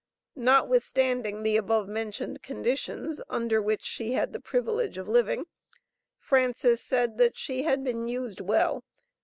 Notwithstanding the above mentioned conditions, under which she had the privilege of living, Frances said that she "had been used well."